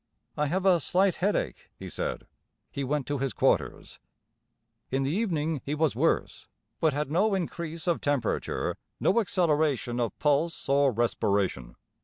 "I have a slight headache," he said. He went to his quarters. In the evening he was worse, but had no increase of temperature, no acceleration of pulse or respiration.